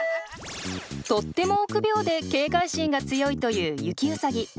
とっても臆病で警戒心が強いというユキウサギ。